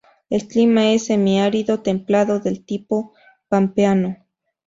El clima es semiárido, templado, del tipo pampeano.